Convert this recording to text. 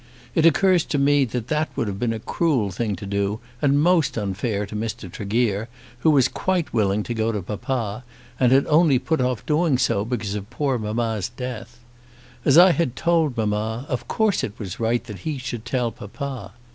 It occurs to me that that would have been a cruel thing to do, and most unfair to Mr. Tregear, who was quite willing to go to papa, and had only put off doing so because of poor mamma's death. As I had told mamma, of course it was right that he should tell papa.